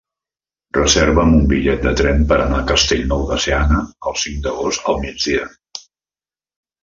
Reserva'm un bitllet de tren per anar a Castellnou de Seana el cinc d'agost al migdia.